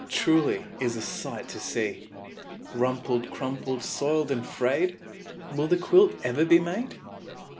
Truly is a sight to see. Rumpled, crumpled, soiled, and frayed Will the quilt be ever made?